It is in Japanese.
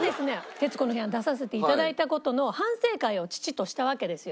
『徹子の部屋』に出させて頂いた事の反省会を父としたわけですよ。